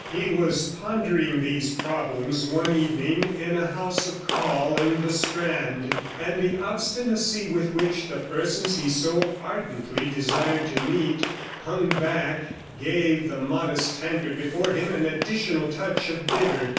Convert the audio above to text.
He was pondering these problems one evening in a house of call in the Strand, and the obstinacy with which the persons he so ardently desired to meet hung back gave the modest tankard before him an additional touch of bitter.